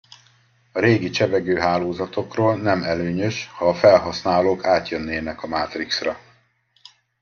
A régi csevegőhálózatokról nem előnyös, ha a felhasználók átjönnének Matrix-ra.